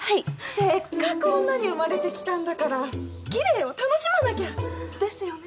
せっかく女に生まれてきたんだからきれいを楽しまなきゃ！ですよね？